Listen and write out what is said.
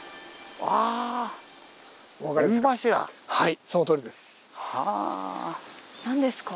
はいそのとおりです。